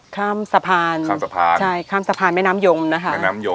ข้ามสะพานแม่น้ำยมนะคะ